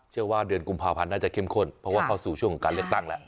เชื่อว่าเดือนกุมภาพันธ์น่าจะเข้มข้นเพราะว่าเข้าสู่ช่วงของการเลือกตั้งแล้ว